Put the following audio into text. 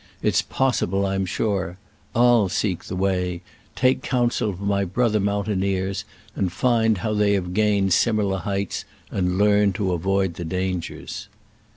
It's pos sible, I'm sure : I'll seek the way, take counsel of my brother mountaineers, and find how they have gained similar heights and learned to avoid the dangers."